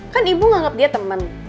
kan ibu nganggep dia temen